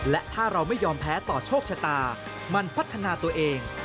และถ้าเราไม่ยอมแพ้ต่อโชคชะตามันพัฒนาตัวเอง